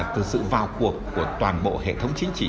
từ sự vào cuộc của toàn bộ hệ thống chính trị